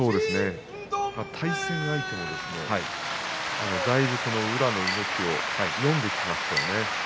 対戦相手もだいぶ宇良の動きを読んできましたね。